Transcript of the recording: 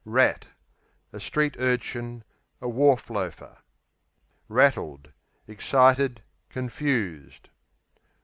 Rat A street urchin; a wharf loafer. Rattled Excited; confused.